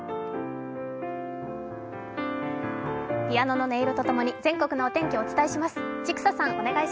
ピアノの音色と共に全国のお天気をお伝えします。